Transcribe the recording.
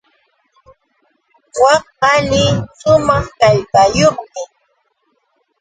Wak qali shumaq kallpayuqmi.